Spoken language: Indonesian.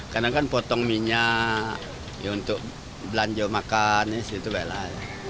karena kan potong minyak ya untuk belanja makan ya segitu baiklah